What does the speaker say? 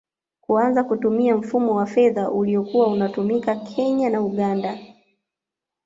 Kuanza kutumia mfumo wa fedha uliokuwa unatumika Kenya na Uganda